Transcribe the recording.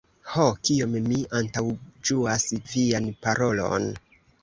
Ho, kiom mi antaŭĝuas vian parolon!